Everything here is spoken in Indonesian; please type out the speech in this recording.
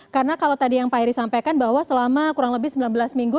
karena kalau tadi yang pak heri sampaikan bahwa selama kurang lebih sembilan belas minggu